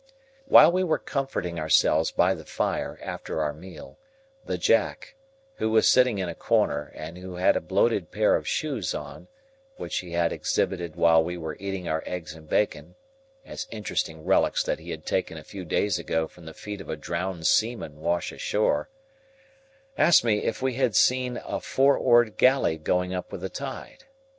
While we were comforting ourselves by the fire after our meal, the Jack—who was sitting in a corner, and who had a bloated pair of shoes on, which he had exhibited while we were eating our eggs and bacon, as interesting relics that he had taken a few days ago from the feet of a drowned seaman washed ashore—asked me if we had seen a four oared galley going up with the tide?